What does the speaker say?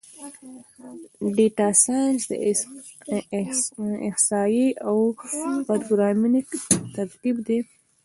ډیټا سایننس د احصایې او پروګرامینګ ترکیب دی.